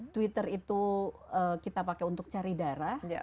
twitter itu kita pakai untuk cari darah